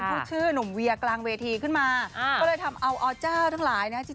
พูดชื่อหนุ่มเวียกลางเวทีขึ้นมาก็เลยทำเอาอเจ้าทั้งหลายนะ